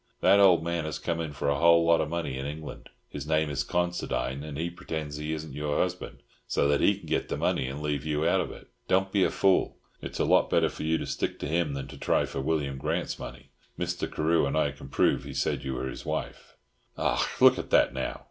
"That old man has come in for a whole lot of money in England. His name is Considine, and he pretends he isn't your husband so that he can get the money and leave you out of it. Don't you be a fool. It's a lot better for you to stick to him than to try for William Grant's money. Mr. Carew and I can prove he said you were his wife." "Och, look at that now!